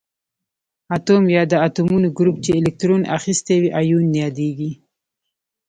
اتوم یا د اتومونو ګروپ چې الکترون اخیستی وي ایون یادیږي.